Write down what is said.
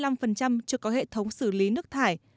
đa số là hệ thống xử lý nước thải